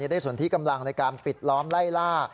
สนที่กำลังในการปิดล้อมไล่ล่า